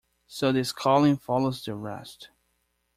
So this calling follows the rest.